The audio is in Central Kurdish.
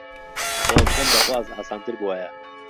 خۆزگەم دەخواست ئاسانتر بووایە.